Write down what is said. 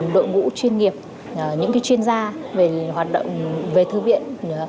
đội vũ chuyên nghiệp những chuyên gia về thư viện